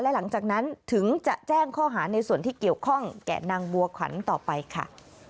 และหลังจากนั้นถึงจะแจ้งข้อหาในส่วนที่เกี่ยวข้องแก่นางบัวขวัญต่อไปค่ะ